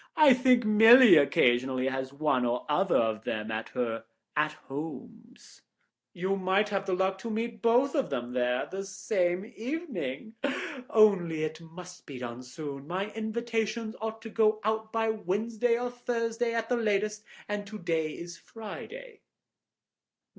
I think Milly occasionally has one or other of them at her at homes; you might have the luck to meet both of them there the same evening. Only it must be done soon. My invitations ought to go out by Wednesday or Thursday at the latest, and to day is Friday.